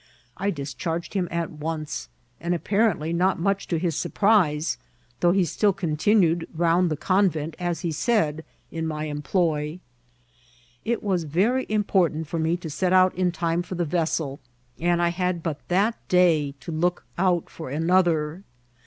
I dis charged him at once, and apparently not much to his surprise, though he still continued round the conTcnt, as he said, in my employ. It was very important for me to set out in time for the vessel, and I had but that day to look out for another.